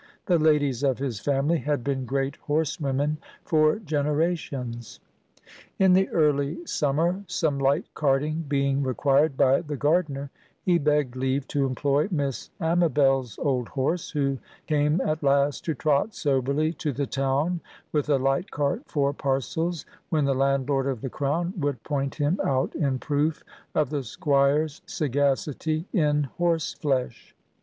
The ladies of his family had been great horsewomen for generations. In the early summer, some light carting being required by the gardener, he begged leave to employ "Miss Amabel's old horse," who came at last to trot soberly to the town with a light cart for parcels, when the landlord of the Crown would point him out in proof of the Squire's sagacity in horse flesh.